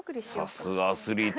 「さすがアスリート。